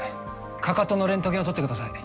かかとのレントゲンを撮ってください。